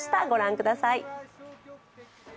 御覧ください。